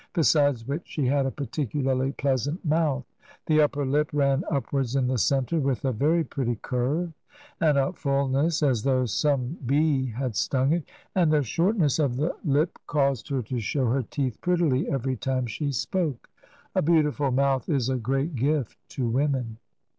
Besides which she had a particularly pleasant ^ mouth ; the upper lip ran upwards in the centre with a Vaery pretty curve, and had a fulness as though " some bee* had stung it," and the shortness of the lip caused TRANSITION. ii her to show her teeth prettily every time she spoke. A beautiful mouth is a great gift to women.